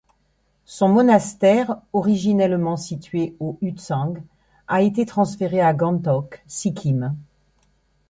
Son monastère, originellement situé au Ü-Tsang, a été transféré à Gantok, Sikkim.